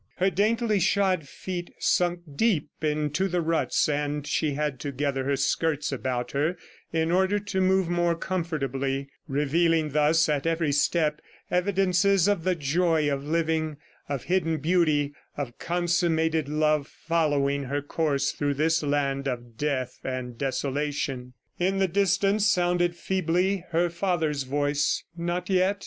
Her daintily shod feet sunk deep into the ruts, and she had to gather her skirts about her in order to move more comfortably revealing thus at every step evidences of the joy of living, of hidden beauty, of consummated love following her course through this land of death and desolation. In the distance sounded feebly her father's voice: "Not yet?"